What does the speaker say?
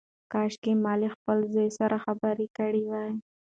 کاشکي ما له خپل زوی سره خبرې کړې وای.